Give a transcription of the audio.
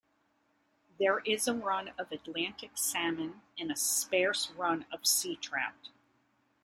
There is a run of Atlantic salmon and a sparse run of sea trout.